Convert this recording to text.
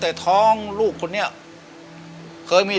แต่มาสังเกตตอนหลังคนเขาบอกมา